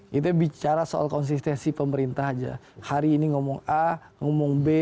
kita bicara soal konsistensi pemerintah aja hari ini ngomong a ngomong b